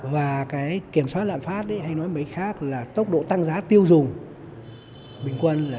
và kiểm soát lạm phát hay nói mấy khác là tốc độ tăng giá tiêu dùng bình quân sẽ là bốn